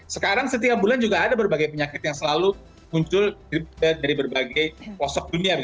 sekarang setiap bulan juga ada berbagai penyakit yang selalu muncul dari berbagai pelosok dunia